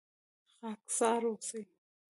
خاکسار اوسئ